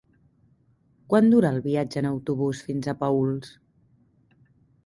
Quant dura el viatge en autobús fins a Paüls?